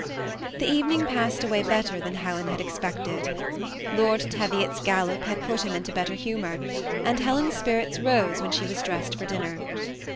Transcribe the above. The evening passed away better than Helen had expected. Lord Teviot's gallop had put him into better humor; and Helen's spirits rose when she was dressed far dinner.